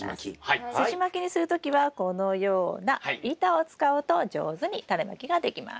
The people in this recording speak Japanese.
すじまきにする時はこのような板を使うと上手にタネまきができます。